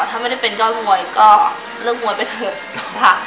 ถ้าไม่เป็นจ้อนมวยก็เริ่มมวยไปเถอะ